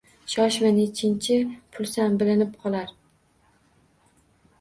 Shoshma, nechchi pulsan, bilinib qolar